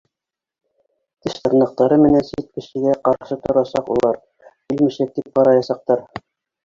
Теш-тырнаҡтары менән сит кешегә ҡаршы торасаҡ улар, килмешәк тип ҡараясаҡтар